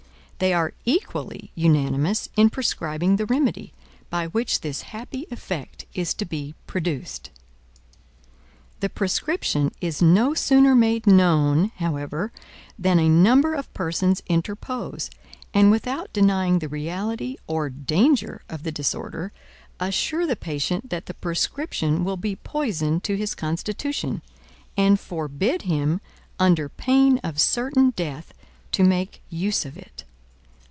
They are equally unanimous in prescribing the remedy, by which this happy effect is to be produced. The prescription is no sooner made known, however, than a number of persons interpose, and, without denying the reality or danger of the disorder, assure the patient that the prescription will be poison to his constitution, and forbid him, under pain of certain death, to make use of it.